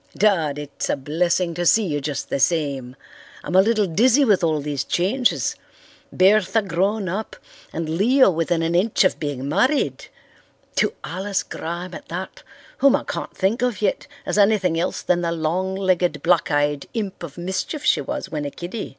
"Dad, it's a blessing to see you just the same. I'm a little dizzy with all these changes. Bertha grown up and Leo within an inch of being married! To Alice Graham at that, whom I can't think of yet as anything else than the long legged, black eyed imp of mischief she was when a kiddy.